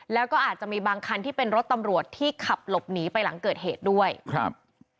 แล้วก็อาจจะมีบางคันที่เป็นรถตำรวจที่ขับหลบหนีไปหลังเกิดเหตุด้วยครับ